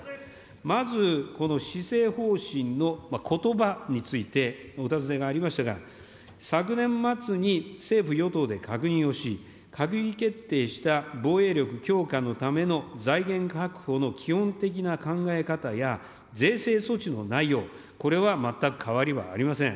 まずこの施政方針のことばについて、お尋ねがありましたが、昨年末に政府・与党で確認をし、閣議決定した防衛力強化のための財源確保の基本的な考え方や、税制措置の内容、これは全く変わりはありません。